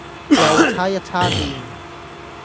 又差一差電